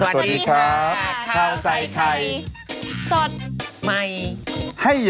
สวัสดีครับข้าวใส่ไข่สดใหม่ให้เยอะ